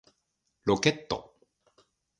ロケット